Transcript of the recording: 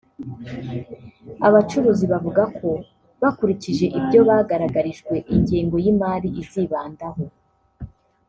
Abacuruzi bavuga ko bakurikije ibyo bagaragarijwe ingengo y’imari izibandaho